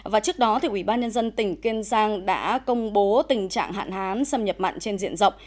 và trước đó ủy ban nhân dân tỉnh kiên giang đã công bố tình trạng hạn hán xâm nhập mặn trên diện rộng